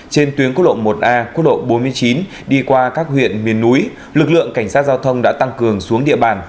trên tuyến quốc lộ một a quốc lộ bốn mươi chín đi qua các huyện miền núi lực lượng cảnh sát giao thông đã tăng cường xuống địa bàn